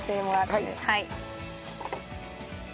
はい。